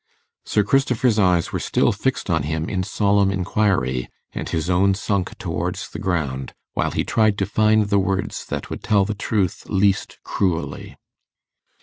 Sir Christopher's eyes were still fixed on him in solemn inquiry, and his own sunk towards the ground, while he tried to find the words that would tell the truth least cruelly.